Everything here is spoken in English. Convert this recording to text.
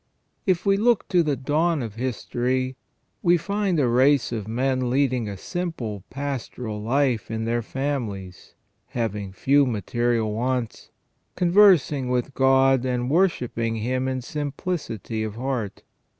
If we look to the dawn of history, we find a race of men leading a simple pastoral life in their families, having few material wants, conversing with God and worshipping Him in simplicity of heart.